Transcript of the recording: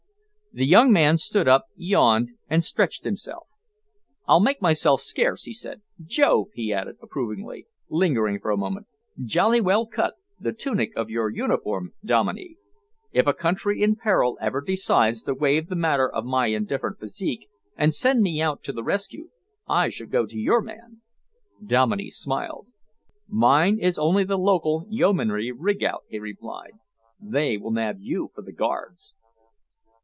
The young man stood up, yawned and stretched himself. "I'll make myself scarce," he said. "Jove!" he added approvingly, lingering for a moment. "Jolly well cut, the tunic of your uniform, Dominey! If a country in peril ever decides to waive the matter of my indifferent physique and send me out to the rescue, I shall go to your man." Dominey smiled. "Mine is only the local Yeomanry rig out," he replied. "They will nab you for the Guards!"